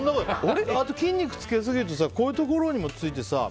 筋肉つけすぎるとこういうところにもついて。